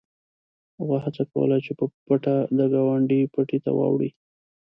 غوا هڅه کوله چې په پټه د ګاونډي پټي ته واوړي.